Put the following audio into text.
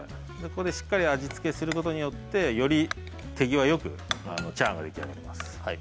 ここでしっかり味付けすることによってより手際よくチャーハンが出来上がります。